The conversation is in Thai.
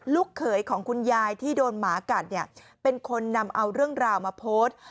เขยของคุณยายที่โดนหมากัดเนี่ยเป็นคนนำเอาเรื่องราวมาโพสต์